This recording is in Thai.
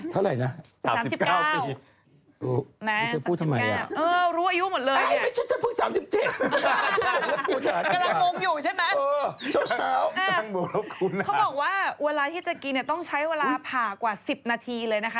เขาบอกว่าเวลาที่จะกินเนี่ยต้องใช้เวลาผ่ากว่า๑๐นาทีเลยนะคะ